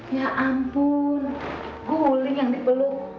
ya ampun guling yang dipeluk